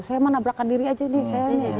saya mana belakang diri aja nih saya nih